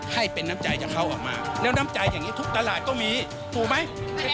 ให้เป็นน้ำใจจากเขาออกมาแล้วน้ำใจอย่างนี้ทุกตลาดก็มีถูกไหม